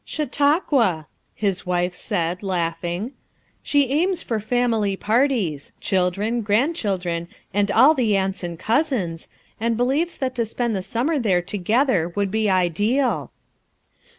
"Chautauqua," his wife said, laughing. "She aims for family parties; children, grand children and all the aunts and cousins, and be lieves that to spend the summer there together would be ideal."